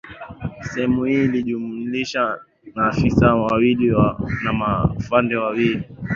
Sehemu hii ilijumlisha maafisa wawili na maafande wawili